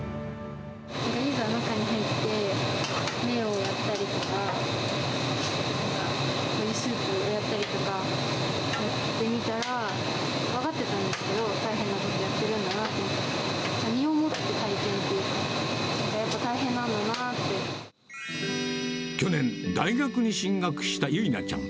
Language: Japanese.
いざ中に入って麺をやったりとか、スープをやったりとか、やってみたら、分かってたんですけど、大変なことをやってるんだなって、身をもって体験というか、やっぱ去年、大学に進学した由奈ちゃん。